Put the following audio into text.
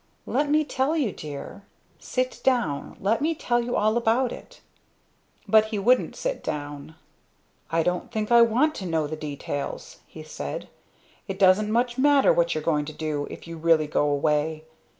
"Let me tell you, dear. Sit down let me tell you all about it." But he wouldn't sit down. "I don't think I want to know the details," he said. "It doesn't much matter what you're going to do if you really go away.